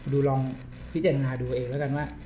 ลองพิจารณาดูเองแล้วกันว่า